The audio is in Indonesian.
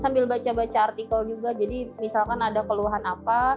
sambil baca baca artikel juga jadi misalkan ada keluhan apa